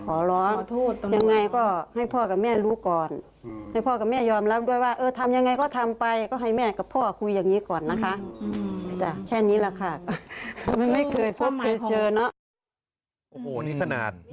โอ้โหนี่ขนาดหนุไม่ค่อยมาฮะ